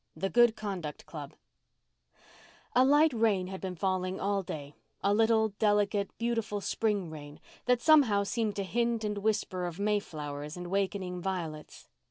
THE GOOD CONDUCT CLUB A light rain had been falling all day—a little, delicate, beautiful spring rain, that somehow seemed to hint and whisper of mayflowers and wakening violets.